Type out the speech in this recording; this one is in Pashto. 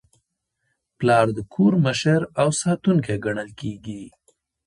پلار د کور مشر او ساتونکی ګڼل کېږي.